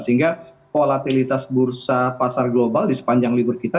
sehingga volatilitas bursa pasar global di sepanjang libur kita